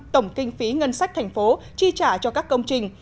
tổng kinh phí ngân sách thành phố chi trả cho các công trình